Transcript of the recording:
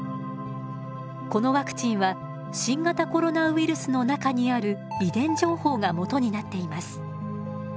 このワクチンは新型コロナウイルスの中にある遺伝情報がもとになっています。